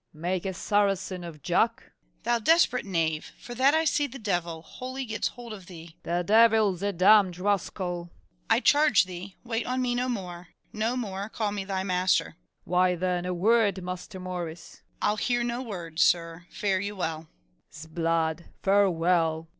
Make a Saracen of Jack? MORRIS. Thou desperate knave! for that I see the devil Wholly gets hold of thee FAULKNER. The devil's a damned rascal. MORRIS. I charge thee, wait on me no more; no more Call me thy master. FAULKNER. Why, then, a word, Master Morris. MORRIS. I'll hear no words, sir; fare you well. FAULKNER. 'Sblood, farewell.